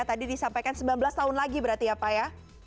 tadi disampaikan sembilan belas tahun lagi berarti ya pak ya